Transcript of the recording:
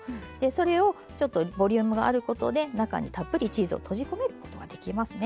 それをちょっとボリュームがあることで中にたっぷりチーズを閉じ込めることができますね。